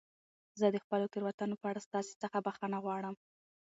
زه د خپلو تېروتنو په اړه ستاسي څخه بخښنه غواړم.